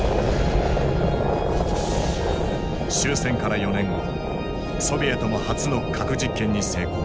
終戦から４年後ソビエトも初の核実験に成功。